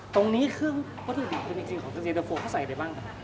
ตรงนี้เครื่องวัตถุดิบเป็นจริงของเทอร์เซียเดี๋ยวพวกเขาใส่อะไรบ้างคะ